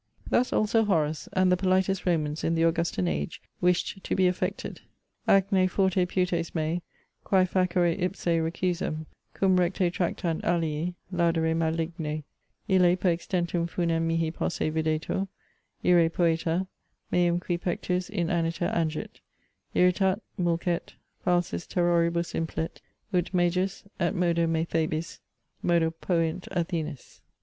Thus also Horace, and the politest Romans in the Augustan age, wished to be affected: Ac ne forte putes me, quæ facere ipse recusem, Cum recte tractant alii, laudere maligne; Ille per extentum funem mihi posse videtur Ire poeta, meum qui pectus inaniter angit, Irritat, mulcet; falsis terroribus implet, Ut magus; & modo me Thebis, modo point Athenis.